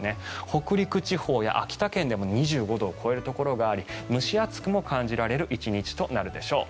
北陸地方や秋田県でも２５度を超えるところがあり蒸し暑くも感じられる１日となるでしょう。